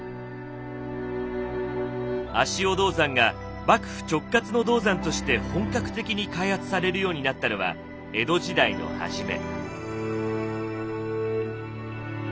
足尾銅山が幕府直轄の銅山として本格的に開発されるようになったのは江戸時代の初め。